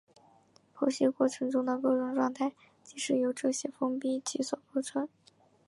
剖析过程中的各种状态即是由这些封闭集所构成。